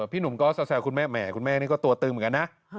พี่หนุ่มก็แซวคุณแม่แหมคุณแม่นี่ก็ตัวตึงเหมือนกันนะ